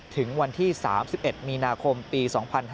ถึงวันที่๓๑มีนาคมปี๒๕๕๙